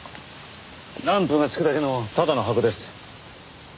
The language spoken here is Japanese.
ランプがつくだけのただの箱です。